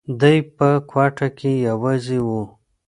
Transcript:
دی په کوټه کې یوازې و.